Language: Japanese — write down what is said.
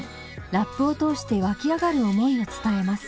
ラップを通して湧き上がる思いを伝えます。